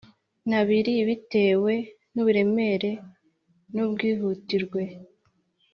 N abiri bitewe n uburemere n ubwihutirwe